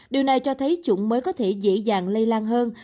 điều này cho thấy chủng mới có thể dễ dàng lây lan hơn